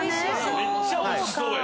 めっちゃおいしそうやん！